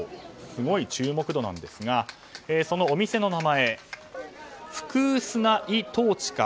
すごい注目なんですがそのお店の名前「フクースナ・イ・トーチカ」。